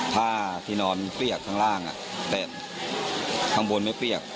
ถ้าที่นอนเปียกข้างล่างแต่ข้างบนไม่เปียก